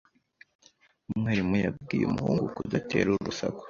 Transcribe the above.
Umwarimu yabwiye umuhungu kudatera urusaku.